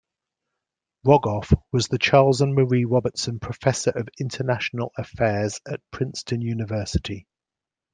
Rogoff was the Charles and Marie Robertson Professor of International Affairs at Princeton University.